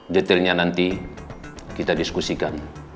detailnya nanti kita diskusikan